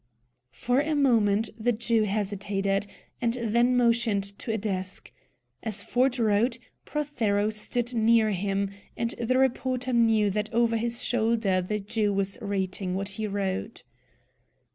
For a moment the Jew hesitated, and then motioned to a desk. As Ford wrote, Prothero stood near him, and the reporter knew that over his shoulder the Jew was reading what he wrote.